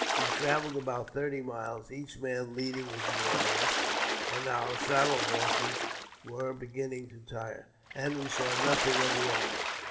We travelled about thirty miles (each man leading his war horse), and our saddle horses were beginning to tire, and we saw nothing of the enemy.